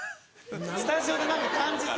スタジオで何か感じて。